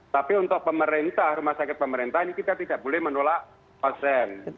tapi untuk pemerintah rumah sakit pemerintah ini kita tidak boleh menolak pasien